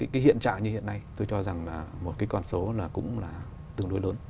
cái hiện trạng như hiện nay tôi cho rằng là một cái con số là cũng là tương đối lớn